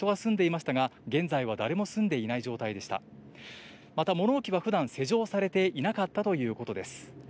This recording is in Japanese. また、物置はふだん施錠されていなかったということです。